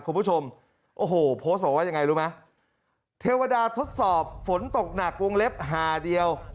คุณผู้ชมโอ้โหโพสต์บอกว่ายังไงรู้ไหมเทวดาทดสอบฝนตกหนักวงเล็บหาเดียว